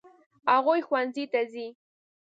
هغوی ښوونځي ته ځي.